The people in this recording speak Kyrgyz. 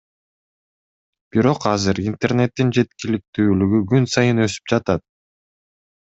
Бирок азыр интернеттин жеткиликтүүлүгү күн сайын өсүп жатат.